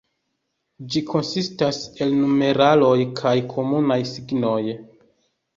Ĝi konsistas el numeraloj kaj komunaj signoj.